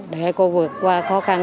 để cô vượt qua khó khăn